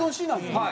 はい。